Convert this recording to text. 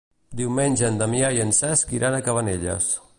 Diumenge en Damià i en Cesc iran a Cabanelles.